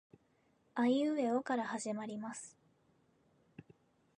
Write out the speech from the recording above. あいうえおから始まります